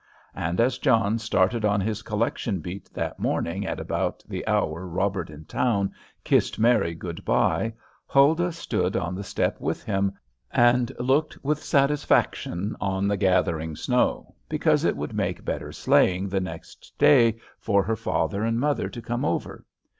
And as John started on his collection beat that morning at about the hour Robert, in town, kissed Mary good by, Huldah stood on the step with him, and looked with satisfaction on the gathering snow, because it would make better sleighing the next day for her father and mother to come over.